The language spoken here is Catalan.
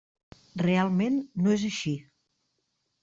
Realment no és així.